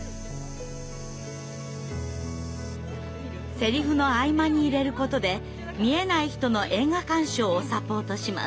セリフの合間に入れることで見えない人の映画鑑賞をサポートします。